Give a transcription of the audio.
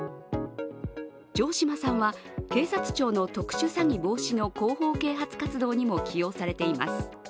城島さんは、警察庁の特殊詐欺防止の広報啓発活動にも起用されています。